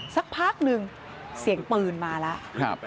สักพักหนึ่งเสียงปืนมาแล้ว